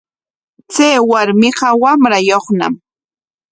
Chay warmiqa wamrayuqñam.